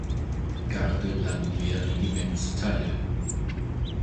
Garde-Landwehr-Regiments teil.